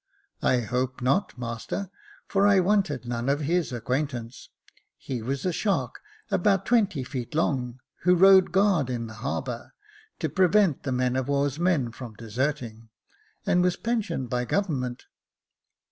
" I hope not, master, for I wanted none of his acquaint ance, he was a shark about twenty feet long, who rode guard in the harbour, to prevent the men of war's men from deserting, and was pensioned by government."